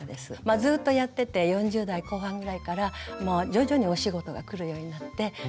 ずっとやってて４０代後半ぐらいから徐々にお仕事がくるようになってそれからですね